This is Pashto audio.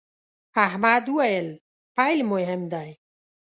احمد وويل: پیل مهم دی.